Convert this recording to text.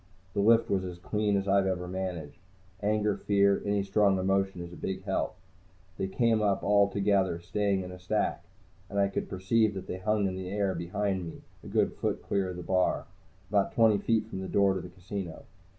The lift was as clean as I've ever managed. Anger, fear, any strong emotion, is a big help. They came up all together, staying in a stack, and I could perceive that they hung in the air behind me, a good foot clear of the bar, and about twenty feet from the door to the casino.